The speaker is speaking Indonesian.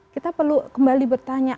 kita perlu kembali bertanya